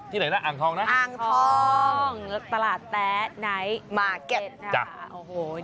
ไหนนะอ่างทองนะอ่างทองตลาดแต๊ะไนท์มาร์เก็ตค่ะโอ้โห